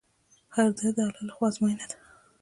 هر درد د الله له خوا ازموینه ده.